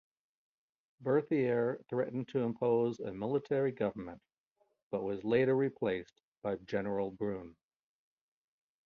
Berthier threatened to impose a military government, but was later replaced by general Brune.